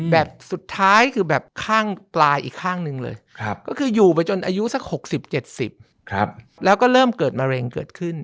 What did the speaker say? แบบสุดท้ายคือแบบข้างปลายอีกข้างหนึ่งเลยก็คืออยู่ไปจนอายุสัก๖๐๗๐แล้วก็เริ่มเกิดมะเร็งเกิดขึ้น